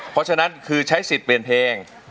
เพราะฉะนั้นคือใช้สิทธิ์เปลี่ยนเพลง